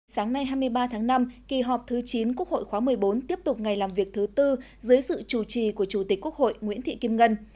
sáng nay hai mươi ba tháng năm kỳ họp thứ chín quốc hội khóa một mươi bốn tiếp tục ngày làm việc thứ tư dưới sự chủ trì của chủ tịch quốc hội nguyễn thị kim ngân